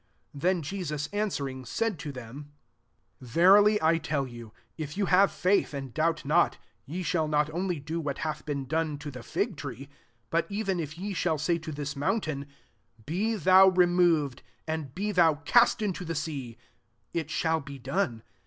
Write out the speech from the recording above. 21 Then Je sus anaweringi said to Hky&E^ MATTHEW XXI. ST "Verily I tell you, if ye have faith, and doubt not, ye shall not only do what hath been done to the fig tree, but even if ye shdl say to this mountain, * Be thou removed^ and be thou east into the sea,' it shall be done.